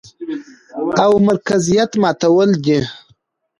او مرکزيت ماتول دي،